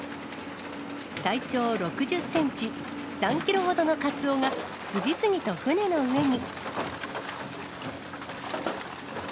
体長６０センチ、３キロほどのカツオが、次々と船の上に。